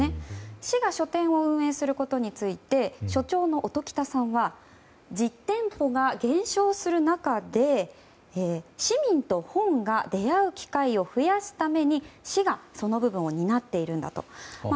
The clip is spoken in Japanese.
市が書店を運営することについて所長の音喜多さんは実店舗が減少する中で市民と本が出会う機会を増やすために市が、その部分を担っているんだと。